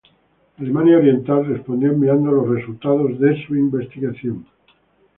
Alemania Oriental respondió enviando los resultados de su investigación.